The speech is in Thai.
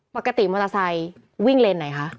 ปกติมอเตอร์ไซค์วิ่งเลนไหนคะ